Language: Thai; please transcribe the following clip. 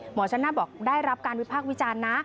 หมอชนนั้นบอกได้รับการวิภาควิจารณ์นะ